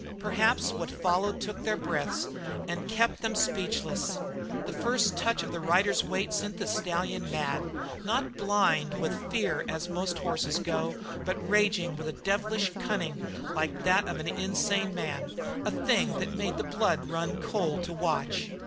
Perhaps what followed took their breaths and kept them speechless. The first touch of his rider's weight sent the stallion mad, not blind with fear as most horses go, but raging with a devilish cunning like that of an insane man, a thing that made the blood run cold to watch.